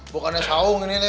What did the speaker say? bukannya saung ini nih